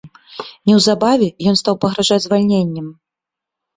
Неўзабаве ён стаў пагражаць звальненнем.